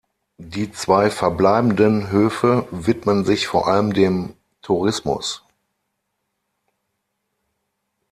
Die zwei verbleibenden Höfe widmen sich vor allem dem Tourismus.